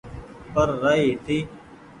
پر رآئي هيتي